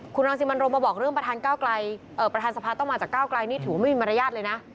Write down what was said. คุณรองสิมันรมมาบอกเรื่องประธานเก้ากลายประธานสภาต้องมาจากเก้ากลายนี่ถือว่าไม่มีมารยาทเลยนะ